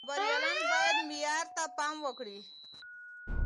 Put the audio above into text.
خبريالان بايد معيار ته پام وکړي.